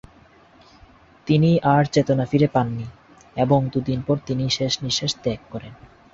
তিনি আর চেতনা ফিরে পাননি এবং দু’দিন পর তিনি শেষ নিঃশ্বাস ত্যাগ করেন।